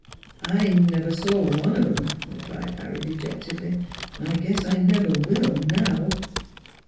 " I never saw one of 'em," replied Harry de jectedly, " an' I guess I never will now."